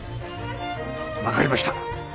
分かりました。